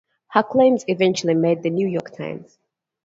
Her claims eventually made the "New York Times".